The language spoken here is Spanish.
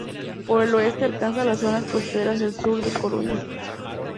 Por el oeste alcanza las zonas costeras del sur de La Coruña.